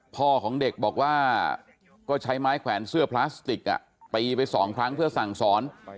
พ่อของเด็กบอกว่าก็ใช้ไม้แขวนเสื้อพลาสติกตีไปสองครั้งเพื่อสั่งสอน